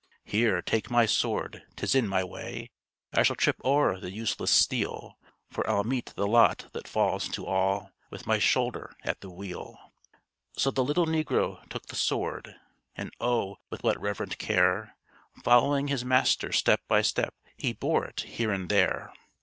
"Here, take my sword; 'tis in my way; I shall trip o'er the useless steel; For I'll meet the lot that falls to all With my shoulder at the wheel." So the little negro took the sword; And oh, with what reverent care, Following his master step by step, He bore it here and there!